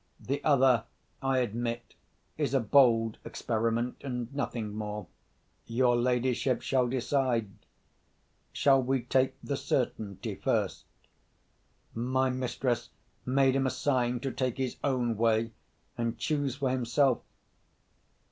The other, I admit, is a bold experiment, and nothing more. Your ladyship shall decide. Shall we take the certainty first?" My mistress made him a sign to take his own way, and choose for himself.